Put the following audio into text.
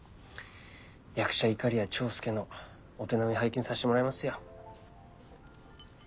役者いかりや長介のお手並み拝見させてもらいますよ。